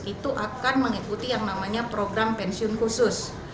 itu akan mengikuti yang namanya program pensiun khusus